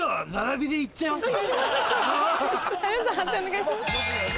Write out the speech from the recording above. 判定お願いします。